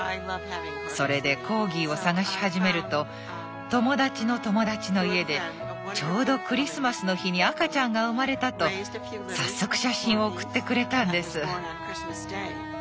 それでコーギーを探し始めると友達の友達の家でちょうどクリスマスの日に赤ちゃんが生まれたと早速写真を送ってくれたんです。